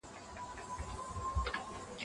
په باغ کې ښکلي مرغان سندرې وايي.